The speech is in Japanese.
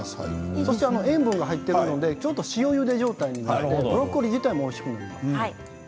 そして塩分が入っているのでちょっと塩ゆで状態になってブロッコリー自体もおいしくなります。